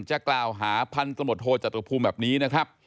จะกล่าวหาพันธมตโทจตุภูมิแบบนี้นะครับ